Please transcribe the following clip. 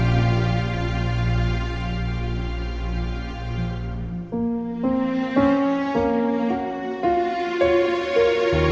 kau mau ngapain